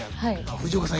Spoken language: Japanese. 藤岡さん